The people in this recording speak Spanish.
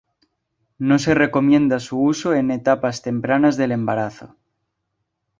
No se recomienda su uso en etapas tempranas del embarazo.